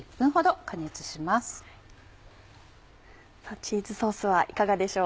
チーズソースはいかがでしょう？